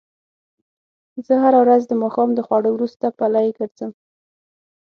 زه هره ورځ د ماښام د خوړو وروسته پلۍ ګرځم